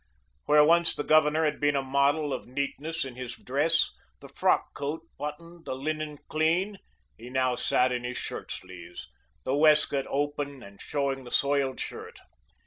Where once the Governor had been a model of neatness in his dress, the frock coat buttoned, the linen clean, he now sat in his shirt sleeves, the waistcoat open and showing the soiled shirt.